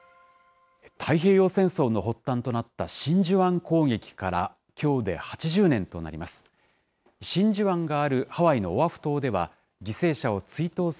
太平洋戦争の発端となった真珠湾攻撃から、きょうで８０年となります。